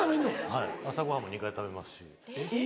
はい朝ごはんも２回食べますし。